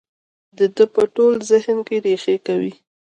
د ده په ټول ذهن کې رېښې کوي.